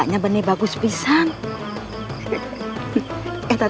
oh iya bener ini maliknya